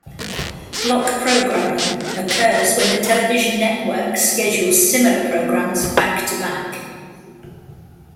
Block programming occurs when the television network schedules similar programs back-to-back.